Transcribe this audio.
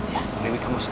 tante dewi sama om dokter